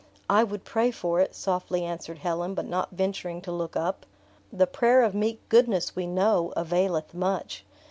"I would pray for it," softly answered Helen, but not venturing to look up. "The prayer of meek goodness, we know, 'availeth much.'